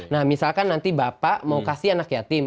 nah misalkan nanti bapak mau kasih anak yatim